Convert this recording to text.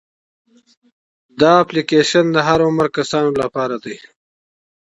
دا اپلیکیشن د هر عمر کسانو لپاره دی.